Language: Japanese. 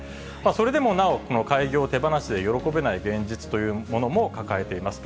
それでもなお、この開業を手放しで喜べない現実というものも抱えています。